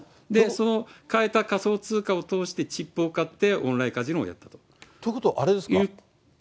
その換えた仮想通貨を通して、チップを買って、オンラインカジノということは、あれですか。